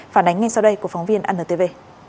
phản ánh ngay sau đây của phóng viên anntv